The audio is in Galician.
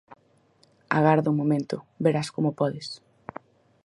_Agarda un momento, verás como podes.